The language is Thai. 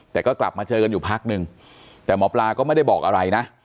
แต่ก็กลับมาเจอกันอยู่พักนึงแต่หมอปลาก็ไม่ได้บอกอะไรนะ